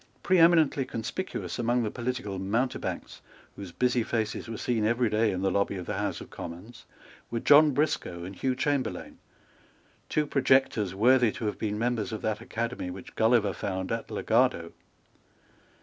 Preeminently conspicuous among the political mountebanks, whose busy faces were seen every day in the lobby of the House of Commons, were John Briscoe and Hugh Chamberlayne, two projectors worthy to have been members of that Academy which Gulliver found at Lagado.